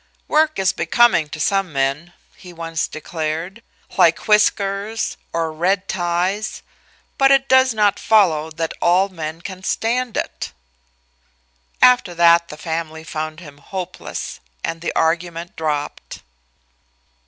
"Work is becoming to some men," he once declared, "like whiskers or red ties, but it does not follow that all men can stand it." After that the family found him "hopeless," and the argument dropped.